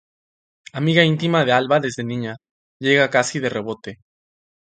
Amiga íntima de Alba desde niña, llega casi de rebote.